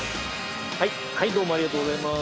はいどうもありがとうございます。